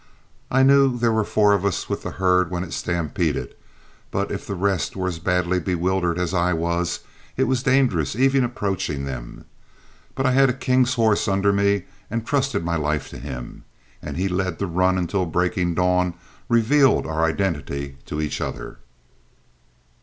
I knew there were four of us with the herd when it stampeded, but if the rest were as badly bewildered as I was, it was dangerous even to approach them. But I had a king's horse under me and trusted my life to him, and he led the run until breaking dawn revealed our identity to each other.